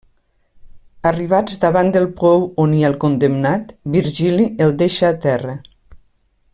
Arribats davant del pou on hi ha el condemnat, Virgili el deixa a terra.